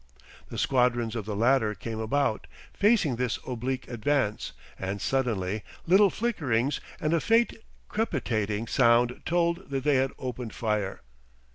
The squadrons of the latter came about, facing this oblique advance, and suddenly little flickerings and a faint crepitating sound told that they had opened fire.